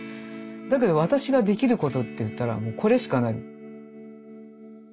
だけど私ができることっていったらこれしかない。